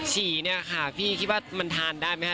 ฉี่เนี่ยค่ะพี่คิดว่ามันทานได้ไหมค